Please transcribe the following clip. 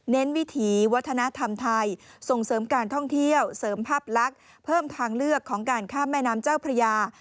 วิถีวัฒนธรรมไทยส่งเสริมการท่องเที่ยวเสริมภาพลักษณ์เพิ่มทางเลือกของการข้ามแม่น้ำเจ้าพระยา